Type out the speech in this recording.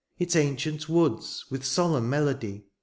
Its ancient woods, with solenm melody.